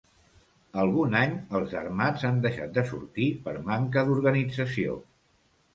Algun any els Armats han deixat de sortir per manca d'organització.